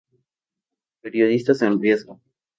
Periodistas en riesgo".